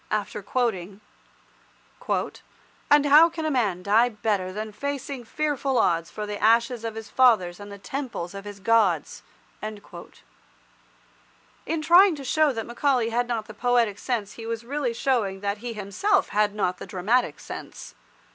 after quoting— "And how can man die better Than facing fearful odds For the ashes of his fathers And the Temples of his Gods?" In trying to show that Macaulay had not the poetic sense he was really showing that he himself had not the dramatic sense.